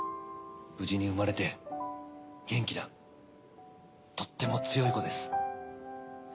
無事に生まれて元気なとっても強い子です。